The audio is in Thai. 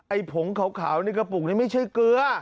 ผงขาวในกระปุกนี้ไม่ใช่เกลือ